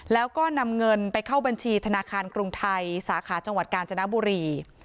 แล้วก็นำเงินไปเข้าบัญชีธนาคารกรุงไทยสาขาจังหวัดกาญจนบุรี